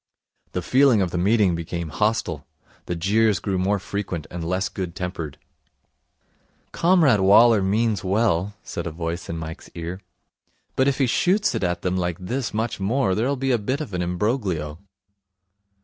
The feeling of the meeting became hostile. The jeers grew more frequent and less good tempered. 'Comrade Waller means well,' said a voice in Mike's ear, 'but if he shoots it at them like this much more there'll be a bit of an imbroglio.'